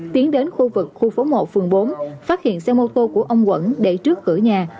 tiến đến khu vực khu phố một phường bốn phát hiện xe mô tô của ông quẩn để trước cửa nhà